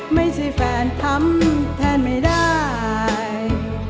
ไม่ใช่แฟนทำแทนไม่ได้